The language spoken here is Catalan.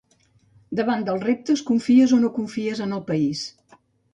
Davant dels reptes, confies o no confies en el país.